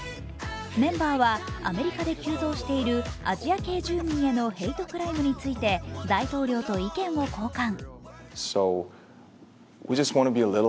メンバーはアメリカで急増しているアジア系住民へのヘイトクライムについて大統領と意見を交換。